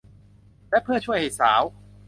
และเพื่อช่วยให้สาว